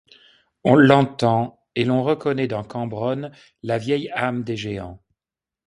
On l'entend, et l'on reconnaît dans Cambronne la vieille âme des géants.